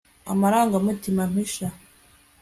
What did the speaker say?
amarangamutima mpisha